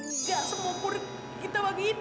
nggak semua murid kita bagiin